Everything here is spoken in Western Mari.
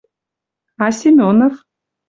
— А Семенов?